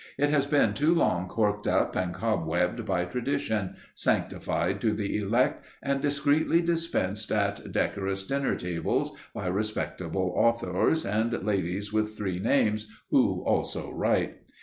It has been too long corked up and cobwebbed by tradition, sanctified to the Elect, and discreetly dispensed at decorous dinner tables by respectable authors, and ladies with three names who also write.